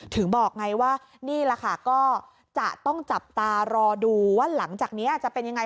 ถึงบอกไงว่านี่แหละค่ะก็จะต้องจับตารอดูว่าหลังจากนี้จะเป็นยังไง